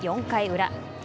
４回裏。